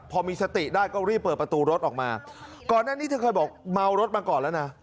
พอมีสติได้ก็รีบเปิดประตูรถออกมาก่อนหน้านี้เธอเคยบอกเมารถมาก่อนแล้วนะ